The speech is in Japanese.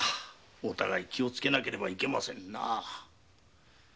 お互い気をつけなければいけませんな。